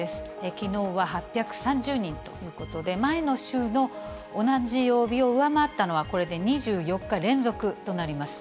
きのうは８３０人ということで、前の週の同じ曜日を上回ったのは、これで２４日連続となります。